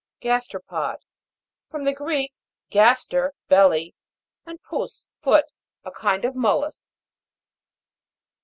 GAS'TEROPOD. From the Greek, gas ter, belly, and pous, foot. A kind of mollusk.